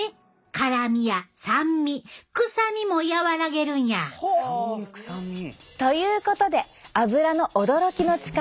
辛みや酸味臭みも和らげるんや！ということでアブラの驚きの力。